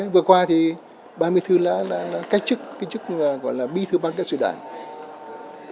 vừa qua thì ban bí thư là cách chức cái chức gọi là bí thư ban cán sự đảng